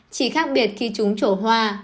chỉ khác biệt khi trúng chỗ hoa